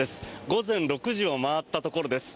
午前６時を回ったところです。